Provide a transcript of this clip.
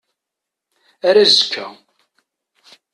Ar azekka.